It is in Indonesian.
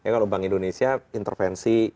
kalau bank indonesia intervensi